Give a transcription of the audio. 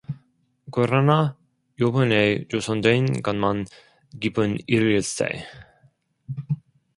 그러나 요번에 주선된 것만은 기쁜 일일세.